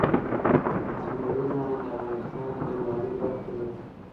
ځنګلونه د افغانستان د بڼوالۍ برخه ده.